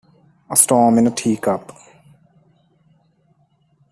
A storm in a teacup